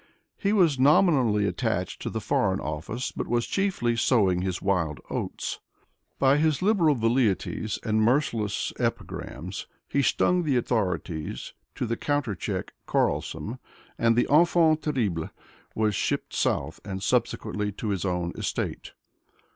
He was nominally attached to the Foreign Office, but was chiefly sowing his wild oats. By his liberal velleities and merciless epigrams he stung the authorities to the Countercheck Quarrelsome, and the enfant terrible was shipped south and subsequently to his own estate.